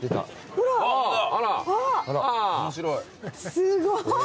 すごーい！